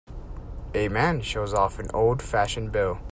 A man shows off an old fashioned bill